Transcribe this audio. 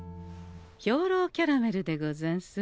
兵糧キャラメルでござんす。